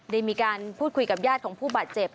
ได้มีการพูดคุยกับญาติของผู้บาดเจ็บ